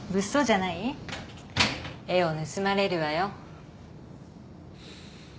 絵を盗まれるわよ。